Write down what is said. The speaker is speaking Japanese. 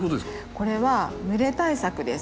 これは蒸れ対策です。